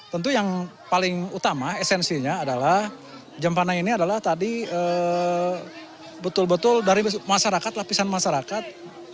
tentu yang paling utama esensinya adalah jampana ini adalah tadi betul betul dari masyarakat lapisan masyarakat